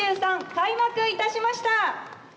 開幕いたしました。